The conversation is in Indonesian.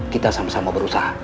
kita sama sama berusaha